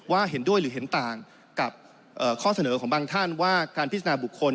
เห็นด้วยหรือเห็นต่างกับข้อเสนอของบางท่านว่าการพิจารณาบุคคล